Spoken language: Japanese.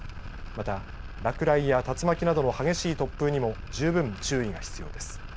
また落雷や竜巻などの激しい突風にも十分注意が必要です。